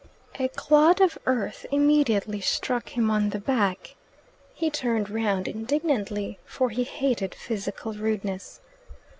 A clod of earth immediately struck him on the back. He turned round indignantly, for he hated physical rudeness.